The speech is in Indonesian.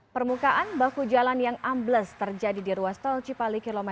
permukaan bahu jalan yang ambles terjadi di ruas tol cipali km sembilan puluh dua